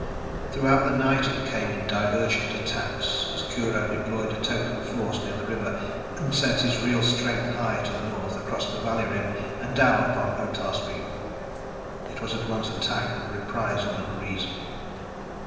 Throughout the night it came in divergent attack, as Kurho deployed a token force near the river and sent his real strength high to the north, across the valley rim and down upon Otah's people. It was at once attack and reprisal and reason!